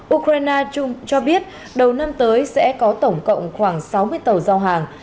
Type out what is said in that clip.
ukraine chung cho biết đầu năm tới sẽ có tổng cộng khoảng sáu mươi tàu giao hàng